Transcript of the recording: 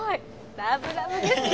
ラブラブですね！